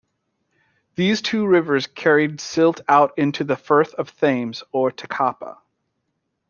These two rivers carried silt out into the Firth of Thames or Tikapa.